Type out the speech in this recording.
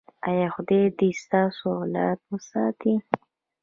ایا خدای دې ستاسو اولاد وساتي؟